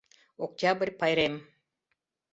Октябрь пайрем.